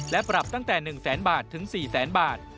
และปรับตั้งแต่๑แสนบาทถึง๔แสนบาท